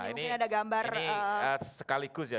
ini sekaligus ya